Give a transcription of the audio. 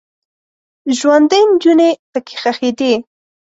ژوندۍ نجونې پکې ښخیدې.